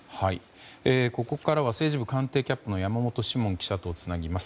ここからは政治部官邸キャップの山本志門記者とつなぎます。